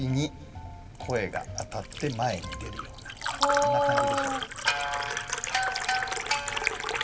そんな感じでしょうか。